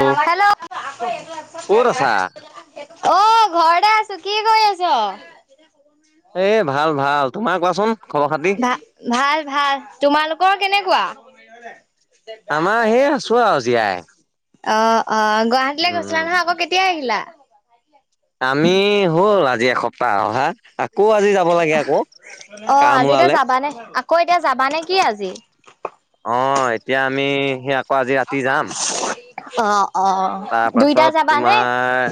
ক'ত আছা? অ ঘৰতে আছো কি কৰি আছ? এ ভাল ভাল তোমাৰ কোৱাচোন? খবৰ খাতি? ভা ভাল ভাল তোমালোকৰ কেনেকুৱা? আমাৰ সেই আছো আও জীয়াই অ অ গুৱাহাটীলৈ উম, গৈছিলা নহয় আকৌ কেতিয়া আহিলা? আমি হ'ল আজি এসপ্তাহ অহা। আকৌ আজি যাব লাগে আকৌ অ কাম আজি এতিয়া ওলালে। যাবানে আকৌ এতিয়া যাবা নে কি আজি? অ এতিয়া আমি সি আকৌ আজি ৰাতি যাম অ অ দুইটা তাৰপাছত যাবানে? তোমাৰ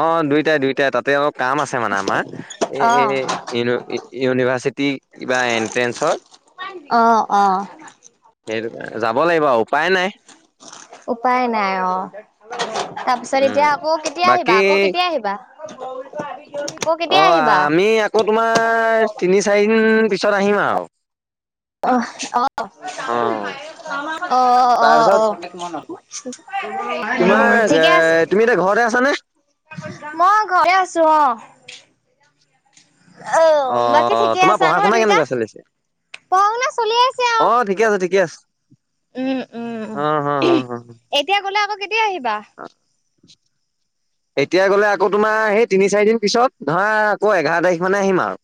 অ দুইটাই দুইটাই তাতে অ কাম আছে মানে আমাৰ এ অ এ ইউ ইউনিভাৰ্চিটি বা এনট্ৰেঞ্চৰ অ অ সেইটো যাব লাগিব আৰু উপায় নাই উপায় নাই অ তাৰপিছত উম, এতিয়া আকৌ কেতিয়া বাকী আহিবা আকৌ কেতিয়া আহিবা [unintelligible] অঁ আহিবা? আমি আকৌ তোমাৰ তিনি চাৰিদিন পিছত আহিম আৰু আহ অ', আহ আহ অ তাৰপিছত আহ তোমাৰ এ ঠিকে আছে তুমি এতিয়া ঘৰতে আছানে? মই ঘৰটে আছো অ অ' বাকী আহ ঠিকে তোমাৰ আছা পঢ়া নহয় শুনা দুইটা? কেনেকুৱা চলিছে? পঢ়া শুনা চলি আছে আও। অঁ ঠিকে আছে ঠিকে আছে। উম, উম। অঁ হ হ হ হ। এতিয়া গ'লে আকৌ কেতিয়া আহিবা? [unintelligible] এতিয়া গ'লে আকৌ তোমাৰ সেই তিনি চাৰিদিন পিছত ধৰা আকৌ এঘাৰ তাৰিখ মানে আহিম আৱ।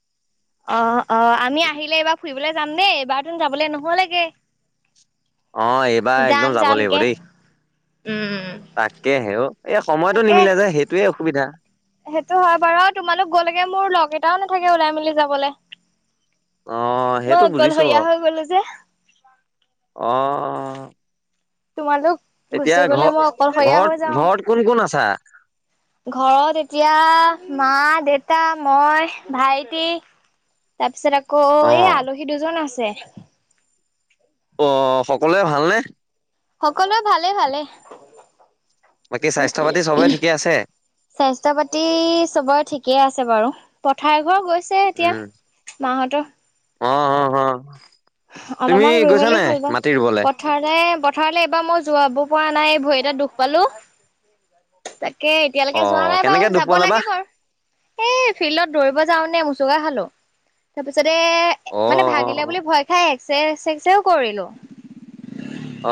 অ অ আমি আহিলে এইবাৰ ফুৰিবলে যাম দেই এইবাৰ তোন যাবলে নহ'লেগে। অ এইবাৰ যাম একদম যাব লাগিব যামকে। দেই। উম। তাকেহে অ এ সময়টো তাকে নিমিলে যে সেইটোৱে অসুবিধা। সেইটো হয় বাৰু আৰু তোমালোক গ'লেগে মোৰ লগ এটাও নাথাকে ওলাই মেলি যাবলে। অ', মই সেইটো বুজিছো অকলশৰীয়া হৈ গ'লো যে। অঁ। তোমালোক গুচি গ'লে ঘৰ মই অকলশৰীয়া ঘৰত হৈ যাওঁ। ঘৰত কোন কোন আছা? ঘৰত এতিয়া মা দেউতা মই ভাইটি তাৰপিছত আকৌ এই অ', আলহী দুজন আছে। অঁ সকলোৱে ভালনে? সকলোৱে ভালে ভালে। বাকী স্বাস্থ্য পাতি চবৰে ঠিকে আছে? স্বাস্থ্য পাতি চবৰে ঠিকে আছে বাৰু পথাৰ এঘৰ গৈ গৈছে এতিয়া উম, মাহঁতৰ। অ অ হ, তুমি অলপমান ৰুই গৈছা মেলি নাই হ'ল বাৰু মাটি ৰুবলে? পথাৰলে পথাৰলে এইবাৰ মই যোৱাব পৰা নাই এই ভৰি এটাত দোষ পালো। তাকে এতিয়ালৈকে যোৱা অ' নাই কেনেকে বাৰু দুখ যাব পালা বা? লাগে বাৰু। এই ফিল্ডত দৌৰিব যাওঁ নে মুচুকা খালো। তাৰ পিছতে এ মানে ভাগ ভাগিলে অ' বুলি ভয় খাই এক্সৰে চেক্সৰেও কৰিলোঁ।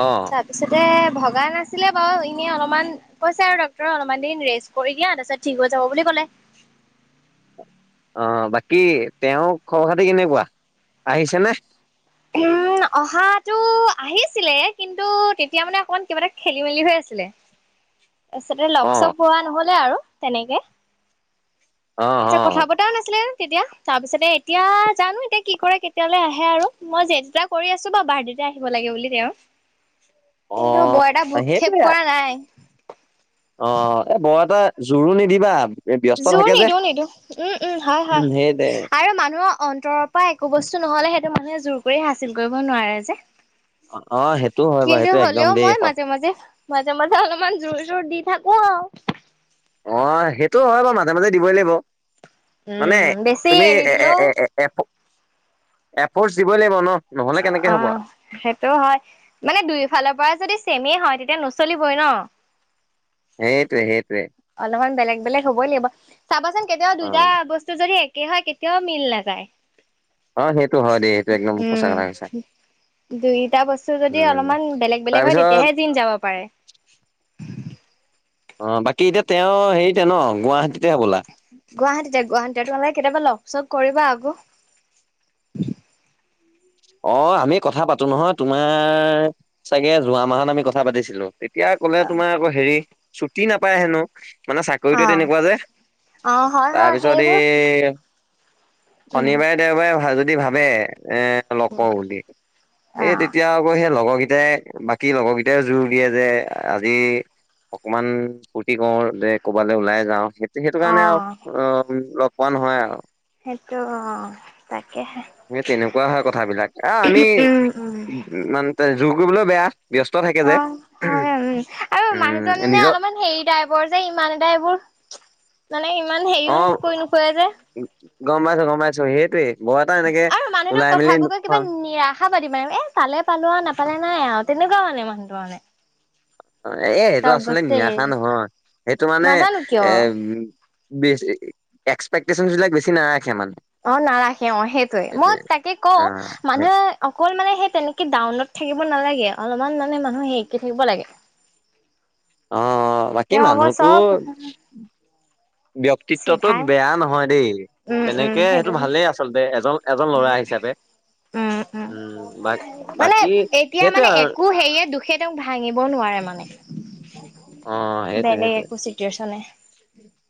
অঁ। তাৰপিছতে ভগা নাছিলে বাৱ এনেই অলমান কৈছে আৰু ডক্তৰে অলমান দিন ৰেষ্ট কৰি দিয়া তাৰপিছত ঠিক হৈ যাব বুলি ক'লে। অ বাকী তেওঁৰ খবৰ খাতি কেনেকুৱা আহিছে নে? [inaudible] অহাতো আহিছিলে কিন্তু তেতিয়া মানে অকমান কিবা এটা খেলি মেলি হৈ আছিলে। [inaudible] তাৰপিছতে লগ অ' চগ পোৱা নহ'লে আৰু তেনেকে অ' পিছে অ' কথা মতাও নাছিলে তেতিয়া তাৰপিছতে এতিয়া জানো এতিয়া কি কৰে কেতিয়ালে আহে আৰু। মই যেদ এটা কৰি আছোঁ বাৱ বাৰ্ডেতে আহিব লাগে বুলি তেওঁ। কিন্তু বৰ এটা অ' ভূক্ষেপ কৰা নাই। অঁ এ বৰ এটা জোৰো নিদিবা। এ ব্যস্ত জোৰ থাকে যে নিদিওঁ নিদিওঁ, উম উম হয় সেই দে হয় আৰু মানুহ অন্তৰৰ পৰা একো বস্তু নহ'লে সেইটো মানুহে জোৰ কৰি হাচিল কৰিব নোৱাৰে যে। অ' অ সেইটো হয় বাৰু কিন্তু সেইটো একদম হ'লেও দেই মই অ' মাজে মাজে মাজে মাজে অলপমান জোৰ ঝোৰ দি থাকো আৱ। অঁ সেইটো হয় বাৰু মাজে মাজে দিবই লাগিব মানে উম বেছি তুমি এৰি এ এ দিলেও এ এ। এফ এফৰ্চ দিবই লাগিব ন? নহ'লে আ কেনেকে হ'ব অঁহ। সেইটো হয় মানে দুয়োফালৰ পৰা যদি চেমেই হয় তেতিয়া নচলিবই ন? সেইটোৱে সেইটোৱে। অলপমান বেলেগ বেলেগ হ'বই লাগিব। চাবাচোন কেতিয়াবা দুয়োটা অ' বস্তু যদি এক কি হয় কেতিয়াও মিল নাযায়। অ সেইটো হয় দেই এইটো একদম সঁচা কথা কৈছা। দুয়োটা বস্তু যদি উম। অলপমান বেলেগ বেলেগ হয় তাৰপিছত তেতিয়াহে দিন যাব পাৰে। অ বাকী এতিয়া তেওঁ হেৰীতে ন গুৱাহাটীতে হ'বলা। গুৱাহাটীতে-গুৱাহাটীতে তোমালোকে কেতিয়াবা লগ চক কৰিবা আক। অ', আমি কথা পাতো নহয়, তোমাৰ চাগে যোৱা মাহত আমি কথা পাতিছিলোঁ। এতিয়া কলে তোমাৰ আকৌ হেৰি, ছুটি নাপায় হেনো। মানে চাকৰিতে অ তেনেকুৱা যে, অ হয় হয় তাৰপিছত এই সেইবোৰ উম শনিবাৰে দেওবাৰে অহা যদি ভাবে, এ কওঁ বুলি, অ এই তেতিয়া আকৌ সেই লগৰকেইটাই বাকী লগৰকেইটাই জোৰ দিয়ে যে আজি অকমান ফূৰ্তি কৰো যে ক'বালৈ ওলাই যাওঁ সেইটি সেইটো অ কাৰণে আৰু অ', লগ পোৱা নহয় আৰু। সেইটো অ', তাকেহে। তেনেকুৱা হয় কথাবিলাক আহ উম উম আমি--মানে জোৰ কৰিবলৈ বেয়া। ব্যস্ত থাকে যে। অ', হয়, উম। আৰু উম মানুহজনে নিজৰ অলপমান হেৰিতাই বৰ যে ইমান এটা এইবোৰ, মানে ইমান হেৰিও কৰী নুফুৰে যে। গম্পাইছোঁ-গম্পইছোঁ সেইটোৱে। বৰ এটা এনেকে ওলাই মেলি নো খপাতী এ পালে পালোঁ আৰু নাপালে নাই আৰু তেনেকোৱা মানে মানুহটো মানে। এ সেইটো চব আচলতে বস্তু নিৰাশা এৰি, নহয়, সেইটো মানে নাজানো কিয়। এ ওম বীচ এ এক্সপেক্টেশচন বিলাক বেছি নাৰাখে মানে। অ', নাৰাখে অ', সেইটোয়ে। সেইটোৱে মই তাকে অ কওঁ সেই মানুহে অকল মানে সেই তেনেকে ডাউনত থাকিব নালাগে অলপমান মানে মানুহ হেৰিকে থাকিব লাগে। অ', অ', বাকী তেওঁ আকৌ মানুহটো চব কথা ব্ক্তিত্বতটো চিধাই, বেয়া নহয় দেই, উম, উম, তেনেকে সেইটো ভালেই উম, আচলতে এজন এজন ল'ৰা হিচাপে। উম, বা বাকী সেইটোৱে আৰু সেৰিয়ে দুখে তেওঁক ভাঙিব নোৱাৰে মানে। অ সেইটোৱে সেইটোৱে বেলেগ একো চি ছনে [unintelligible]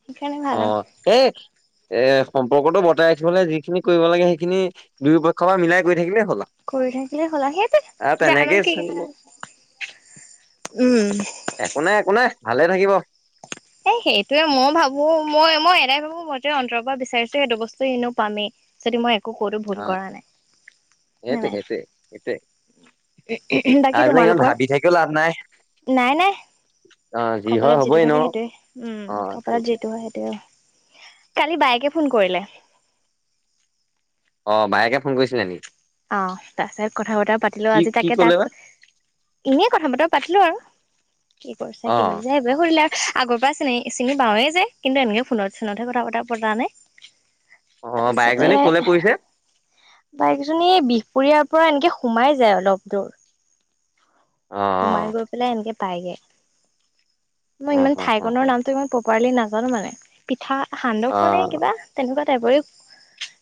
অ', সেই এ সম্পৰ্কতটো ব্তাই ৰাখিবলৈ যিখিনি কৰিব লাগে সেইখিনি দুয়ো পক্ষৰ পৰা মিলাই কৰি থাকিলে কৰি থাকিলে হ'ল আৰু সেইটোৱে, জানো তেনেকেই কি চলিব হয়। উম। একো নাই-একো নাই, ভালে থাকিব। এ সেইটোৱে মই ভাবোঁ। মই-মই এটাই ভাবোঁ মই যি অন্তৰৰ পৰা বিচাৰিছোঁ সেইটো বস্তু এনেও পামেই। যদি মই একো কতো ভুল অ', কৰা নাই। হয় নাই? হেটোৱে। বাকী তোমালোকৰ? থাকিও লাভ নাই নাই-নাই। অ', যি হয় কপালত যিটো হ'বই ন থাকে সেইটোয়ে। উম, অ', কপালত সেইটোৱে যিটো হয় সেইটোয়ে। কালি বায়েকে ফোন কৰিলে। অ', বায়েকে ফোন কৰিছিলে নেকি? অ', তাৰ পািছত কথা বতৰা পাতিলোঁ। কি আজি কি তাকে ক'লে বা তাক এনেই কথা বতৰা পাতিলোঁ আৰু। কি কৰিছা কি অ', বলিছা [unintelligible] আগৰ পৰা চিনি চিনি পৌৱে যে, কিন্তু এনেকে ফোনত চোনতহে কথা চতা পতা নাই। অ', তাৰপাছতে, বায়েকজনী বাই [unintelligible] ক'লে পৰিছে বিহপুৰীয়াৰ পৰা এনেকে সোমাই যায় অলপ দূৰ। অ', সোমাই অ', গৈ পেলাই এনেকে পাইগে। মই অ', ইমান অ', অ', ঠাইকনৰ নামটো ইমান প্ৰপাৰলি নাজানোঁ মানে। পিঠা সান্দহ খ নে অ', কিবা? তেনেকুৱা টাইপৰে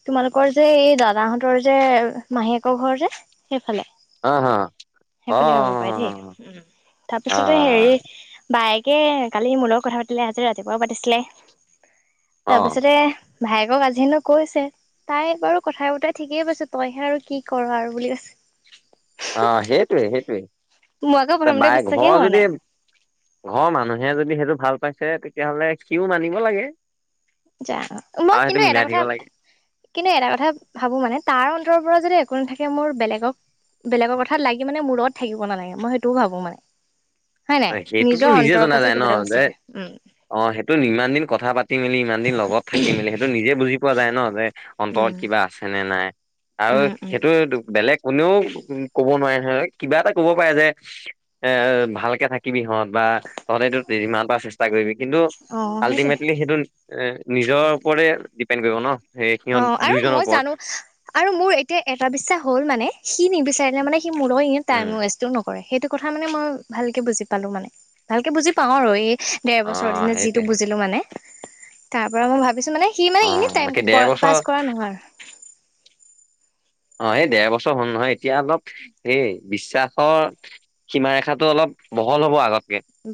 তোমালোকৰ যে এই দাদাহঁতৰ যে মাহীয়েকৰ ঘৰ যে? সেইফালে। অ', অ', সেইফালে হব পাই দেই, উম। অ', তাৰপিছতে হেৰি বায়েকে কালি মুৰ লগত কথা পাতিলে আজি ৰাতিপুৱাও পাতিছিলে। অ', অ', তাৰপিছতে ভায়েকক আজি হেনো কৈছে তাই বাৰু কথাই বতাই ঠিকেই পাইছোঁ, তই হে আৰু কি কৰ' আৰু বুলি কৈছ। অ', সেইটোয়ে-সেইটোয়ে। মোৰ আকৌ তাৰ প্ৰথমতে বাই বিশ্বাসেই ঘৰৰ হোৱা যদি নাই ঘৰৰ মানুহে যদি সেইটো ভাল পাইছে তেতিয়াহলে সিও মানিব লাগে। যা, মই আৰু সেইটো কিন্তু এটা মিলাই কথা থাকিব লাগে। কিন্তু এটা কথা ভাবোঁ মানে তাৰ অন্তৰৰ পৰা যদি একো নাথাকে মোৰ বেলেগক বেলেগৰ কথা লাগি মানে মূৰত থাকিব নালাগে মই সেইটোও ভাবো মানে। হয় নাই? সেইটোতো নিজৰ নিজে অন্তৰৰ জনা পৰা যে যায় ন কিবা এটা বস্ত হাহ উম। অ সেইটো ইমান দিন কথা পাতি মেলি ইমান দিন লগত থাকি মেলি সেইটো নিজে বুজি পোৱা যায় ন যে অন্তৰত উম কিবা আছে নে নাই আৰু উম উম সেইটো বেলেগ কোনেও ক'ব নোৱাৰে নহয়। কিবা এটা কব পাৰে যে এ ভাল থাকিবি হঁত বা তহতে এটো যিমান পাৰ চেষ্টা কৰিবি। কিন্তু অ সেইটোৱে আল্টিমেটলি সেইটো এ নিজৰ ওপৰতে ডিপেণ্ড কৰিব ন। সেই অ সিহঁত আৰু দুইজনৰ মই ওপৰত। জানোঁ আৰু মোৰ এতিয়া এটা বিশ্বাস হ'ল মানে, সি নিবিচাৰিলে মানে সি মোৰ লগত টাইম উম ৱেষ্টটো ন- কৰে, সেইটো কথা মানে মই ভালকে বুজি পালো মানে ভালকে বুজি পাওঁ আৰু এ ডেৰ অ বছৰৰ দিনত যিটো সেইটোৱে বুজিলোঁ মানে তাৰ পৰা মই ভাবিছোঁ মানে সি মানে এনেই টাইম দেৰ পাছ বছৰ কৰা নহয় অ এই ডৰ বছৰ হ'ল নহয় এতিয়া অলপ এই বিশ্বাসৰ সীমা ৰেখাতটো অলপ বহল হ'ব আগত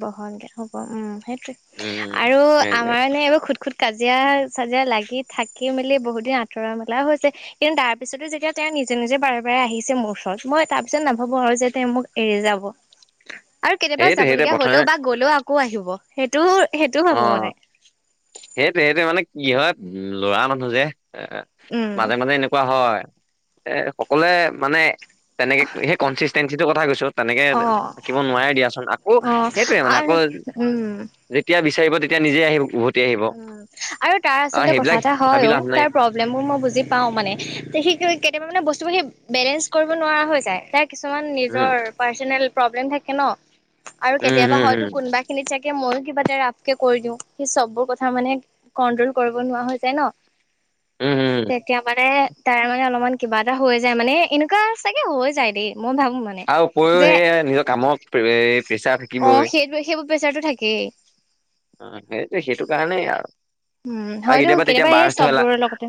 বহলকে হ'ব উম সেইটোৱে উম আৰু সেইটোৱে আমাৰ নে এইবোৰ খুট-খুট কাজিয়া চাজিয়া লাগি থাকি মেলি বহুতদিন আঁতৰা মেলাও হৈছে। কিন্তু তাৰ পিছতো যেতিয়া তেওঁ নিজে-নিজে বাৰে-বাৰে আহিছে মোৰ ওচৰত মই তাৰপিছত নাভাভো আৰু যে তেওঁ মোক এৰি যাব। আৰু কেতিয়াবা সেইটোৱে যাব সেইটোৱে প্ৰথমে গ'লেও আকৌ আহিব, সেইটোও সেইটোও অ ভাবো মানে। সেইটোৱে, সেইটো মানে কি হয় উম ল'ৰা মানুহ যে। এ উম মাজে মাজে এনেকুৱা হয়, এ সকলোৱে মানে তেনেকে সেই কনচিষ্টেঞ্চিটোৰ কথা কৈছো। তেনেকে অ থাকিব নোৱাৰে দিয়াচোন, আকৌ অ সেইটোয়ে মানে আৰু আকৌ উম তিয়া বিচাৰিব তেতিয়া নিজে আহি উভুত উম, আৰু তাৰ আচলতে কথা এটা হয় ভাবি অ লাভ নাই তাৰ প্ৰ- ব্লেমবোৰ মই বুজি পাওঁ মানে, সি কেতিয়াবা মানে বস্তুবোৰ সেই বেলেঞ্চ কৰিব নোৱাৰা হৈ যায়। তাইক কিছুমান উম নিজৰ পাৰ্ছনেল প্ৰব্লেম থাকে ন, আৰু উম কেতিয়াবা উম হয়টো উম কোনবাই খিনিত চাগে ময়ো কিবা এটা ৰাফকে কৈ দিওঁ, সি চববোৰ ক- থা মানে কন্ট্ৰল কৰিব নোৱাৰা হৈ যায় ন। উম উম তিয়া মানে তাৰে মানে অলপমান কিবা এটা হৈ যায় মানে এনেকুৱা চাগে হৈ যায় দেই মই ভাবো মানে। আও উপৰি সে যে সেই নিজৰ কামৰ এ প্ৰেছাৰ থাকিবই। প্ৰেছাৰটো থাকেই। অ সেইটোৱে সেইটো কাৰণেই ইয়াৰ উম আৰ হয়তো কেতিয়াবা তেতিয়া সেই বাৰষ্ট থ'লা, চববোৰৰ লগতে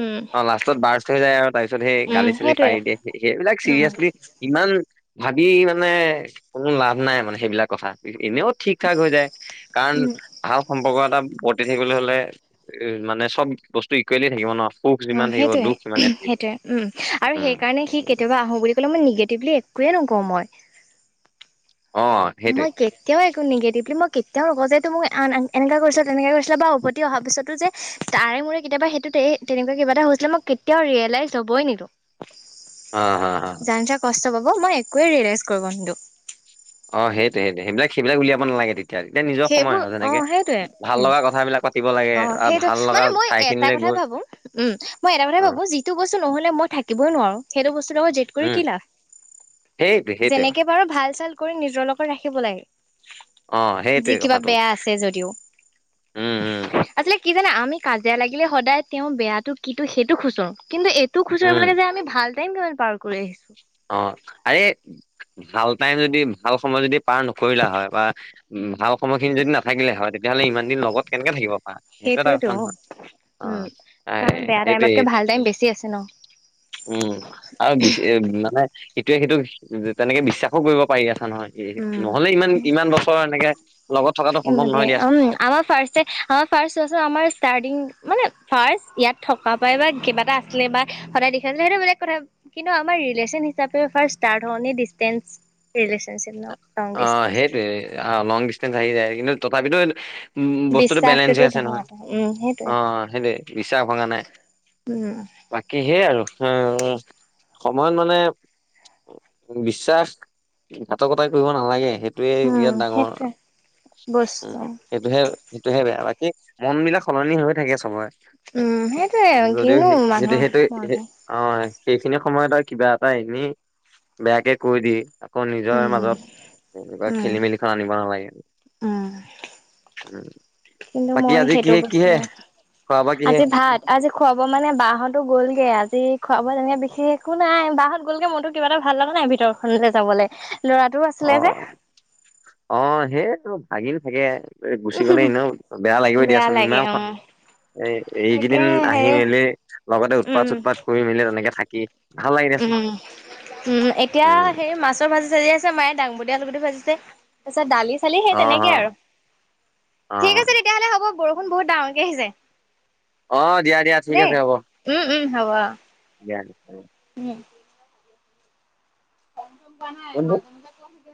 উম অ লাষ্ট- ত বাৰষ্ট হৈ যায় আৰু তাৰপিছত সেই উম গালি চালি পাৰি সেইটোৱে দিয়ে, সেইবিলাক উম চিৰিয়েচলি- ইমান ভাবি মানে কোনো লাভ নাই মানে, সেইবিলাক কথা এনেও ঠিকঠাক হৈ যায়, কাণ- উম ভাল সম্পৰ্ক এটা বৰ্তি থাকিবলৈ হ'লে এ মানে চব বস্তু ইকুৱেলি থাকিব ন। সুখ অ যিমান থাকিব সেইটোয়ে দুখ সিমানে থাকিব সেইটোয়ে উম আৰু উম সেইকাৰণে সি কেতিয়াবা আহো বুলি ক'লে মই নিগেটিভলি একোৱেই নকওঁ মই। অ সেইটোৱে মই কে- তিয়াও একো নিগেটিভলি মই কেতিয়াও নকওঁ যে এইটো মোক আন এং এনেকুৱা কৰিছিলা তেনেকে কৰিছিলা বা উভতি অহাৰ পিছতো যে তাৰে মোৰে কেতিয়াবা সেইটো তেনেকুৱা কিবা এটা হৈছিলে মই কেতিয়াও ৰিয়েলাইজ হ'বই নিদিওঁ। অ হ হ। জানোচা কষ্ট পাব, মই একোৱে ৰিয়েলাইজ কৰিব নিদো। অ সেইটোয়ে সেইটোয়ে, সেবিলাক- সেবিলাক উলিয়াব নালাগে তেত- তেতিয়াক নিজৰ সময় সেইবোৰ হয় অ যেনেকে সেইটোৱে ভাল উম লগা কথাবিলাক পাতিব লাগে অ আৰু সেইটো ভাল লগা মানে মই এটা ঠাইখিনিলে কথা গৈ ভাবো উম, মই এটা কথাই অ ভাবো যিটো বস্তু নহ'লে মই থাকিবই নোৱাৰো, সেইটো বস্তুটো লগত কৰি উম, কি লাভ, সেইটো সেইটোৱে কথা যেনেকে পাৰ ভাল চাল কৰি নিজৰ লগত ৰাখিব লাগে। অ', যি সেইটোৱে কিবা কথাটো বেয়া আছে যদিওঁ। উম, উম, আচলতে কি জানা আমি কাজিয়া লাগিলে সদায় তেওঁৰ বেয়াটো কিটো সেইটো খুচৰোঁ, কিন্তু এই তো খুচৰিব উম, লাগে যে আমি ভাল টাইম কিমান পাৰ কৰি আহিছোঁ। অ', আৰে ভাল টাইম যদি ভাল সময় যদি পাৰ নকৰিলা হয় বা উম, ভাল সময়খিনি যদি নাথাকিলে হয়, তেতিয়াহ'লে ইমান দিন লগত কেনেকে থাকিব পাৰা, সেইটো এটা সেইটোৱেতো কথা নহয়। অ', উম, আই কাৰণ বেয়া সেইটোৱে টাইমতকে ভাল টাইম বেছি আছে ন। উম, আৰু বিছ মানে সেইটোৱে সিটোক তেনেকে বিশ্বাসো কৰিব পাৰি আছা নহয়। এ উম নহলে ইমান ইমান বছৰ এনেকে লগত থকাটো সম্ভৱ মানে নহয় দিয়াচোন। উম আমাৰ ফাৰ্ষ্ট ডে আমাৰ ফাৰ্ষ্ট চন আমাৰ ষ্টাৰ্টিং মানে ফাৰ্ষ্ট ইয়াত থক কা পাই বা কিবা এটা আছিলে বা সদায় দেখাই আছিলে সেইটো বেলেগ কথা কিন্তু আমাৰ ৰিলেশ্বন হিচাপে ফাৰ্ষ্ট ষ্টাৰ্ট হওঁনে ডিচটেন্স ৰিলেচন অ', সেইটোয়ে লং ডিচটেন্স আহি যায়, কিন্তু তথাপিতো উম, উম, বস্তুটো বেলেঞ্চ বিশ্বাসটোতো হৈ আছে নহয়, বহুত উম সেইটোৱে অ', সেইটোৱে বিশ্বাস ভগা নাই। উম। বাকী সেই আৰু উম সময়ত মানে বিশ্বাস ঘাটকতা কৰিব নালাগে, সেইটোয়ে বিৰাট উম ডাঙৰ, সেইটোৱে উম। বস্তু সেইটোহে-সেইটোহে বেয়া, বাকী মন বিলাক সলনি হৈ থাকে চবৰে। উম সেইটোৱে যদিও কিনো সেই সেইটোৱে মানুহৰ -সেইটোয়ে মনহে অ', সেইখিনি সময়ত আৰু কিবা এটা এনেই বেয়াকে কৈ দি আকৌ নিজৰ মাজত উম এনেকুৱা উম খেলি মেলিখন আনিব নালাগে উ উম কিন্তু মই সেইটো বস্তু, খোৱা বোৱা কিহে আজি ভাত আজি খুৱাব মানে বাহতো গলগে আজি খুৱাব তেনেকে বিশেষ একো নাই বাঁহত গ'লগে মইতো কিবা এটা ভাল লগা নাই ভিতৰখনলে যাবলে ল'ৰাটোও অ আছিলে যে। অ' সেইটো ভাগিন থাকে গুচি গলে এনেও বেয়া লাগিবই দিয়াচোন লাগে ইমানখত উম এ তাকে এইকেইদিন আহি হেৰি মেলি লগতে উৎপাত উম চুটপাত কৰি মেলি তেনেকে থাকি। ভাল লাগে দিয়াচোন উম উম এতিয়া উম সেই মাছ। ভাজি চাজী আছে মায়ে দাংবদি আলুগুটি ভাজিছে তাৰ পিছত দালি। চালি সেই অ তেনেকে আৰু অ অ ঠিক আছে তেতিয়াহ'লে হ'ব বৰষুণ বহুত ডাঙৰকে আহিছে। অ দিয়া দিয়া ঠিক দেই আছে হ'ব। উম- উম হব। দিয়া উম টোক কোৱা নাই উম, মাজে মাজে কিয়